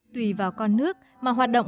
tùy vào con nước mà hoạt động